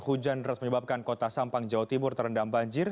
hujan deras menyebabkan kota sampang jawa timur terendam banjir